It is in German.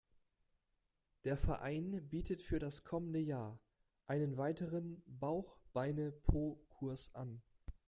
Der Verein bietet für das kommende Jahr einen weiteren Bauch-Beine-Po-Kurs an.